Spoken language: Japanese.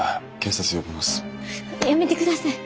やめてください。